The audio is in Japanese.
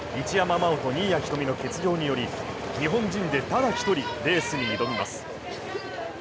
一山麻緒と新谷仁美の欠場により日本人でただ一人、レースに挑みます。